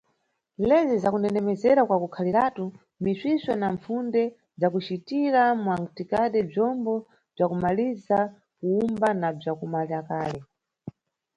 Lezi za kundendemezera kwa kukhaliratu, misvisvo na mpfunde za kucitira mantikade bzombo bza kumaliza kuwumba na bza kumala kale.